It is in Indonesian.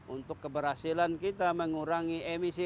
untuk keberhasilan kita mengurangi emisi